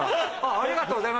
ありがとうございます。